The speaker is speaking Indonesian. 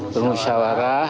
bermusyawarah tukar pergeran